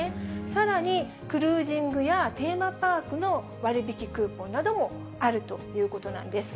さらに、クルージングやテーマパークの割引クーポンなどもあるということなんです。